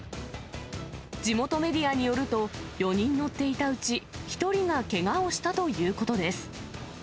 地元メディアによると、４人乗っていたうち、１人がけがをしたということです。